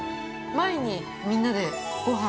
◆前に、みんなで、ごはん。